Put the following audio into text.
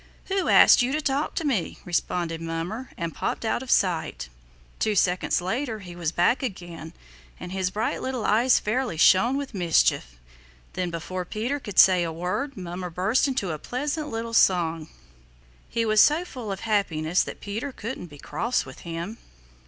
"Who asked you to talk to me?" responded Mummer, and popped out of sight. Two seconds later he was back again and his bright little eyes fairly shone with mischief. Then before Peter could say a word Mummer burst into a pleasant little song. He was so full of happiness that Peter couldn't be cross with him.